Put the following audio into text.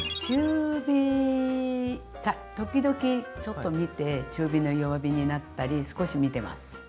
中火か時々ちょっと見て中火の弱火になったり少し見てます。